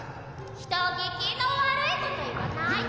人聞きの悪いこと言わないで。